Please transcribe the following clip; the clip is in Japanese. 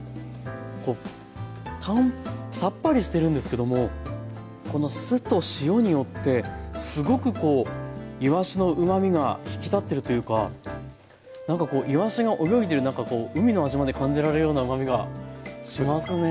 こうさっぱりしてるんですけどもこの酢と塩によってすごくこういわしのうまみが引き立ってるというか何かこういわしが泳いでる何かこう海の味まで感じられるようなうまみがしますね。